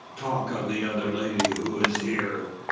"Talk of the other lady who is here.